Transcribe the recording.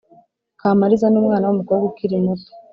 kamariza ni umwana w’umukobwa ukiri muto